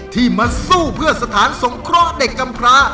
ที่มาสู้เพื่อสถานสงเคราะห์เด็กกำพระ